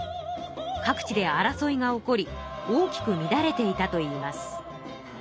各地で争いが起こり大きく乱れていたといいます。